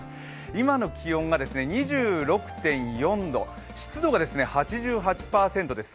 今の気温が２６．４度、湿度が８８％です。